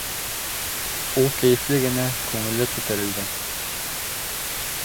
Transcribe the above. Ул кәйефле генә, күңеле күтәрелгән.